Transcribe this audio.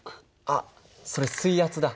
あっそれ水圧だ。